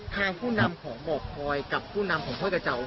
ทางผู้นำของหมดพลอยกับผู้นำของพลอยกระเจ้า